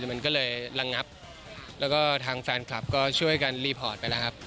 มันก็เลยระงับแล้วก็ทางแฟนคลับก็ช่วยกันรีพอร์ตไปแล้วครับ